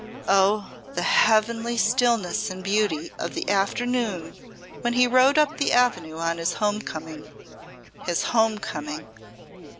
Oh! the heavenly stillness and beauty of the afternoon when he rode up the avenue on his home coming! His home coming!